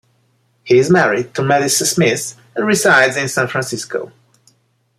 He is married to Melissa Smith and resides in San Francisco.